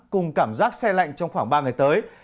cùng cảm giác xe lạnh trong khoảng ba ngày tới